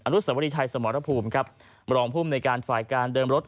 อรุษสวริไทยสมรภูมิมารองภูมิในการฝ่ายการเดิมรถ